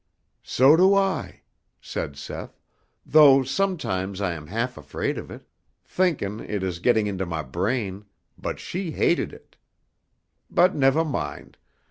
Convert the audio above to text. "So do I," said Seth, "though sometimes I am half afraid of it, thinkin' it is getting into my brain, but she hated it. But nevah mind.